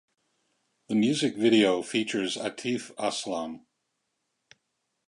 The music video features Atif Aslam.